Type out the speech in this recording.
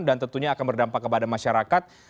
dan tentunya akan berdampak kepada masyarakat